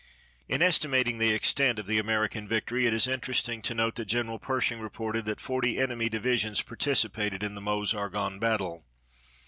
In estimating the extent of the American victory it is interesting to note that General Pershing reported that forty enemy divisions participated in the Meuse Argonne battle.